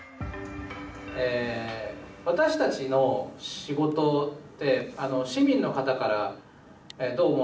私たちの仕事って市民の方から、どう思われてるか。